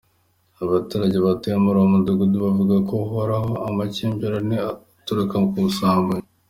Abaturage batuye muri uwo mudugudu bavuga ko uhoramo amakimbirane aturuka ku busambanyi.